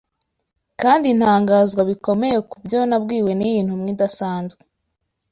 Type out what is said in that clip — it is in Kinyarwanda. kandi ntangazwa bikomeye ku byo nabwiwe n’iyi ntumwa idasanzwe